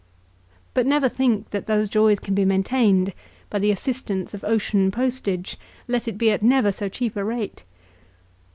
But never think that those joys can be maintained by the assistance of ocean postage, let it be at never so cheap a rate.